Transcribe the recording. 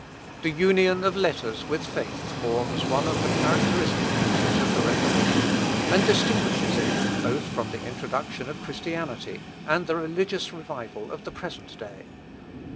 The union of letters with faith forms one of the characteristic features of the Reformation, and distinguishes it, both from the introduction of Christianity, and the religious revival of the present day.